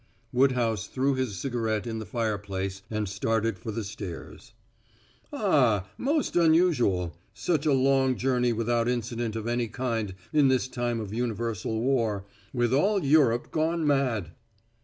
Woodhouse threw his cigarette in the fireplace and started for the stairs. "Ah, most unusual such a long journey without incident of any kind in this time of universal war, with all Europe gone mad."